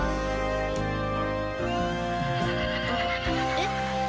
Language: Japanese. えっ？